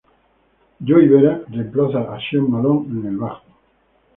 Joey Vera reemplaza a Sean Malone en el bajo.